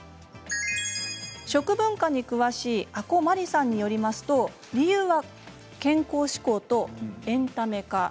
食文化に詳しい阿古真理さんによりますと理由は健康志向とエンタメ化